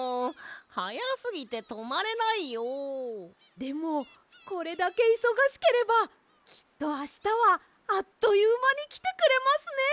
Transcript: でもこれだけいそがしければきっとあしたはあっというまにきてくれますねえ。